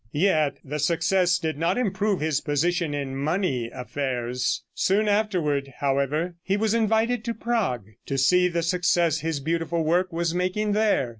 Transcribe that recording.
Yet the success did not improve his position in money affairs. Soon afterward, however, he was invited to Prague, to see the success his beautiful work was making there.